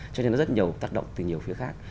cho nên nó rất nhiều tác động từ nhiều phía khác